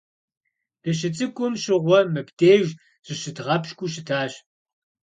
Дыщыцӏыкӏум щыгъуэ мыбдеж зыщыдгъэпщкӏуу щытащ.